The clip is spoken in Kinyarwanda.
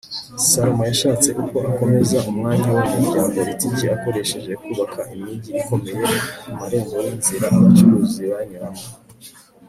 salomo yashatse uko akomeza umwanya we mu bya politiki akoresheje kubaka imijyi ikomeye ku marembo y'inzira abacuruzi banyuramo